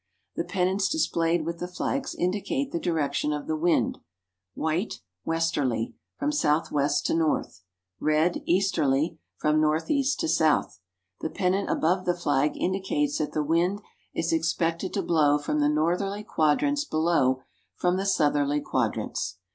The pennants displayed with the flags indicate the direction of the wind white, westerly (from southwest to north); red, easterly (from northeast to south). The pennant above the flag indicates that the wind is expected to blow from the northerly quadrants; below, from the southerly quadrants.